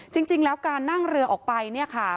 จริงแล้วการนั่งเรือออกไปเนี่ยค่ะ